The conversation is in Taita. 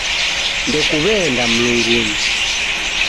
Ndekuw'eenda mlungunyi.